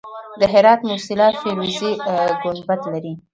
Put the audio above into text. د هرات موسیلا فیروزي ګنبد لري